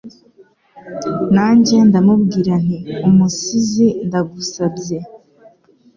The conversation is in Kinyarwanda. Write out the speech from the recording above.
Nanjye ndamubwira nti Umusizi ndagusabye